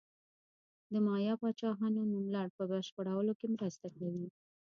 د مایا پاچاهانو نوملړ په بشپړولو کې مرسته کوي.